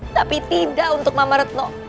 tapi tidak untuk mama retno